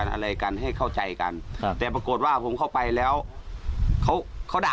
มันพิษเพราะเราบอกคอมจะพิ้นเจอร์